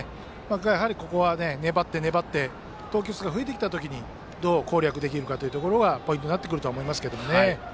ここは粘って、粘って投球数が増えてきた時にどう攻略できるかがポイントになってくるとは思います。